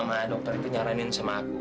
nah dokter itu nyaranin sama aku